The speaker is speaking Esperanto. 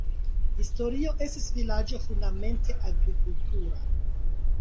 Historie estis vilaĝo fundamente agrikultura.